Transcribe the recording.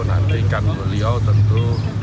nantikan beliau tentu